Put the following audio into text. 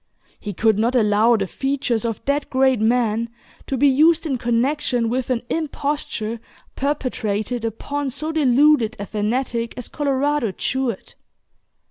He could not allow the features of that great man to be used in connection with an imposture perpetrated upon so deluded a fanatic as Colorado Jewett.